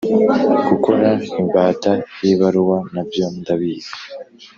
Gukora imbata yibaruwa nabyo ndabizi